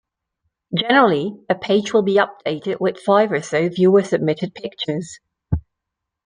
Generally, a page will be updated with five or so viewer submitted pictures.